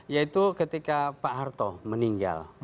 yaitu ketika pak harto meninggal